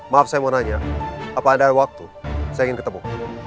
maaf saya mau nanya apa ada waktu saya ingin ketemu